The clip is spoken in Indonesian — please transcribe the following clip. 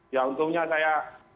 ya untungnya saya